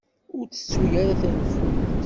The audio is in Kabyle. Ur ttettu ara tanfult.